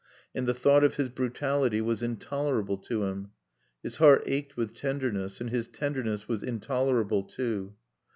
And the thought of his brutality was intolerable to him. His heart ached with tenderness, and his tenderness was intolerable too.